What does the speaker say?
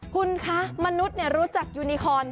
คุณคะมนุษย์รู้จักยูนิคอน